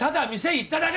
行っただけ！？